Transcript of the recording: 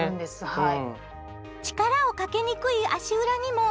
はい。